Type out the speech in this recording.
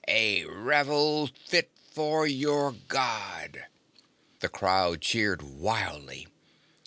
A revel fit for your God!" The crowd cheered wildly.